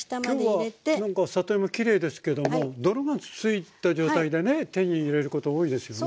今日はなんか里芋きれいですけども泥がついた状態でね手に入れること多いですよね。